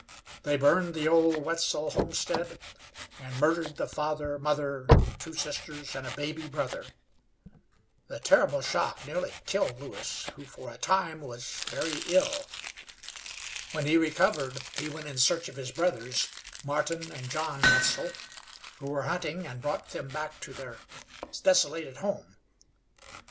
They burned the old Wetzel homestead and murdered the father, mother, two sisters, and a baby brother. The terrible shock nearly killed Lewis, who for a time was very ill. When he recovered he went in search of his brothers, Martin and John Wetzel, who were hunting, and brought them back to their desolated home.